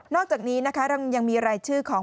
นอกจากนี้แล้วยังมีไรชื่อของ